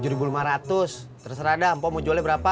rp tujuh lima ratus terserah dampo mau jualnya berapa